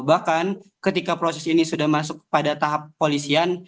bahkan ketika proses ini sudah masuk pada tahap polisian